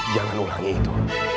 jangan ulangi itu